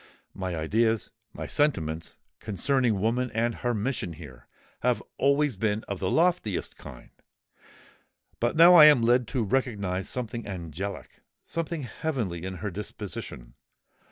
My ideas—my sentiments, concerning woman and her mission here, have always been of the loftiest kind: but now I am led to recognise something angelic—something heavenly in her disposition.